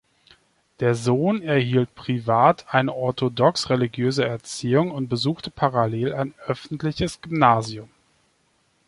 Der Sohn erhielt privat eine orthodox-religiöse Erziehung und besuchte parallel ein öffentliches Gymnasium.